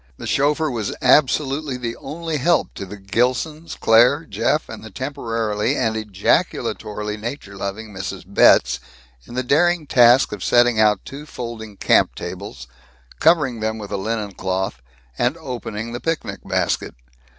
The chauffeur was absolutely the only help to the Gilsons, Claire, Jeff, and the temporarily and ejaculatorily nature loving Mrs. Betz in the daring task of setting out two folding camp tables, covering them with a linen cloth, and opening the picnic basket.